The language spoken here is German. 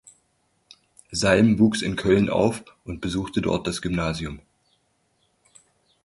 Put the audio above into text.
Salm wuchs in Köln auf und besuchte dort das Gymnasium.